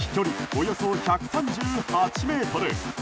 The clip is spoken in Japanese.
およそ１３８ｍ。